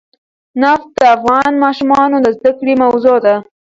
نفت د افغان ماشومانو د زده کړې موضوع ده.